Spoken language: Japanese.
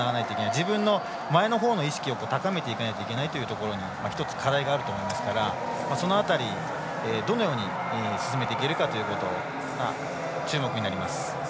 自分の前のほうの意識を高めていかなきゃいけないというところに１つ課題があると思うのでその辺り、どのように進めていけるかということが注目になります。